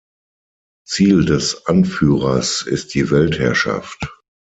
Ziel des Anführers ist die Weltherrschaft.